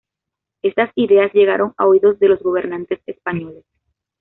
Estas ideas llegaron a oídos de los gobernantes españoles.